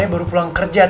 mas ini udah selesai